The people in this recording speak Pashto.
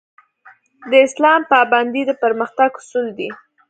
د اسلام پابندي د پرمختګ اصول دي